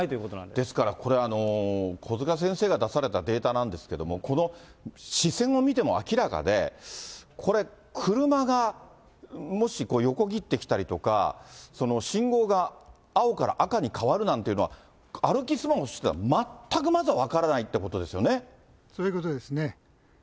ですからこれ、小塚先生が出されたデータなんですけれども、この視線を見ても明らかで、これ、車がもし横切ってきたりとか、信号が青から赤に変わるなんていうのは歩きスマホしてたら全くまそういうことですね。